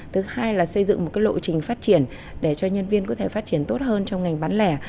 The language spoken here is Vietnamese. thứ hai là xây dựng một lộ trình phát triển để cho nhân viên có thể phát triển tốt hơn trong ngành bán lẻ